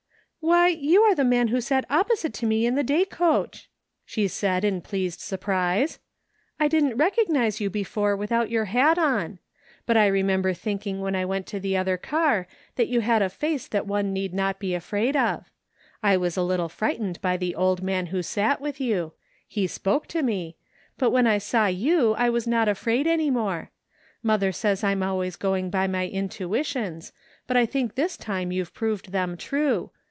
" Why, you are the man who sat opposite to me in the day coach," she said in pleased surprise, " I didn't recognize you before without your hat on. But I re member thinking when I went to the other car that you had a isuce that one need not be afraid of . I was a little frightened by the old man who sat with you — ^he spoke to me— but when I saw you I was not afraid any more. Mother says I'm always going by my intuitions, but I think this time youVe proved them true.